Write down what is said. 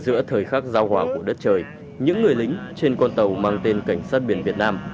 giữa thời khắc giao hòa của đất trời những người lính trên con tàu mang tên cảnh sát biển việt nam